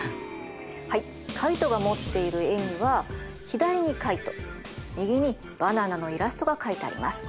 はいカイトが持っている絵には左にカイト右にバナナのイラストが描いてあります。